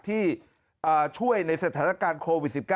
ที่ช่วยในสถานการณ์โควิด๑๙